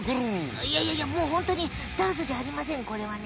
いやいやいやもうホントにダンスじゃありませんこれはね。